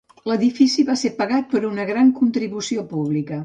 L'edifici va ser pagat per una gran contribució pública.